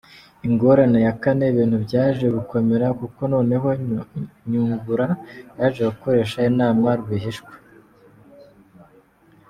Ingorane ya kane, ibintu byaje gukomera kuko noneho Nyungura yaje gukoresha inama rwihishwa.